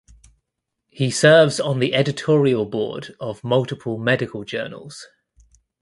He serves on the editorial board of multiple medical journals.